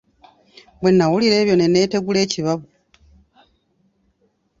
Bwe nnawulira ebyo, ne nneetegula ekibabu.